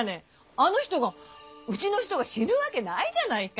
あの人がうちの人が死ぬわけないじゃないか。